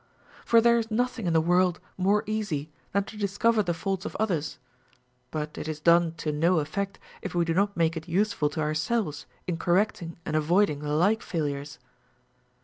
For there is nothing in the world more easy than to discover the faults of others ; but it is done to no effect if we do not make it useful to ourselves in correcting and avoiding the like failures.